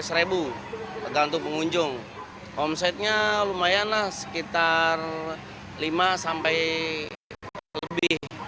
ini seratus lima ratus sampai seribu untuk pengunjung omsetnya lumayanlah sekitar lima sampai lebih